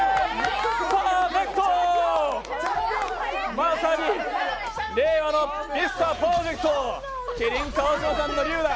まさに令和のミスターパーフェクト・麒麟・川島さんのリュウだ。